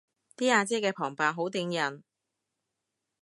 啲阿姐嘅旁白好頂癮